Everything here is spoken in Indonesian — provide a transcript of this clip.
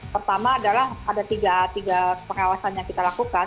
pertama adalah ada tiga pengawasan yang kita lakukan